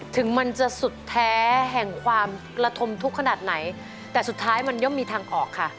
ถึงมันจะสุดแท้แห่งความระทมทุกข์ขนาดไหนแต่สุดท้ายมันย่อมมีทางออกค่ะ